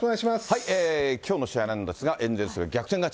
きょうの試合なんですが、エンゼルスが逆転勝ち。